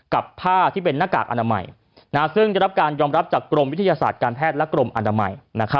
กับผ้าที่เป็นหน้ากากอนามัยซึ่งได้รับการยอมรับจากกรมวิทยาศาสตร์การแพทย์และกรมอนามัย